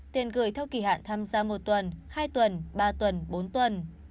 tiền gửi theo kỳ hạn tham gia một tuần hai tuần ba tuần bốn tuần